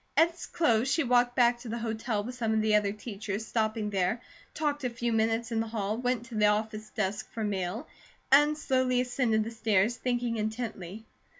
At its close she walked back to the hotel with some of the other teachers stopping there, talked a few minutes in the hall, went to the office desk for mail, and slowly ascended the stairs, thinking intently.